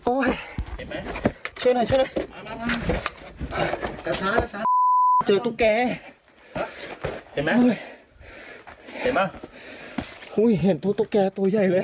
โอ้ยเชื่อหน่อยเชื่อหน่อยเจอตุ๊กแก่เห็นไหมเห็นไหมเห้นตัวตุ๊กแก่ตัวใหญ่เลย